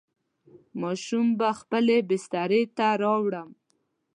ماشوم به خپلې بسترې ته راوړم.